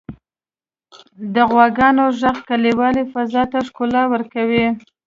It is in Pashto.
• د غواګانو ږغ کلیوالي فضا ته ښکلا ورکوي.